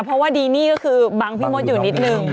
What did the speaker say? เพราะว่าดีนี่ก็คือบังพี่มดอยู่นิดนึง